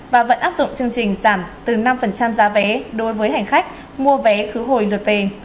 và vẫn áp dụng chương trình giảm từ năm giá vé đối với hành khách mua vé khứ hồi lượt về